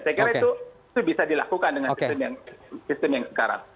saya kira itu bisa dilakukan dengan sistem yang sekarang